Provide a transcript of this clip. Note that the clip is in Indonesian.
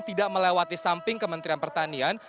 tidak melewati samping kementerian pertanian